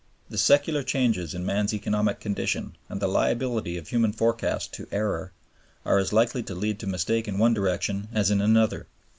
The secular changes in man's economic condition and the liability of human forecast to error are as likely to lead to mistake in one direction as in another.